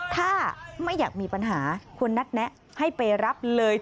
ถ้าไม่อยากมีปัญหาควรนัดแนะให้ไปรับเลย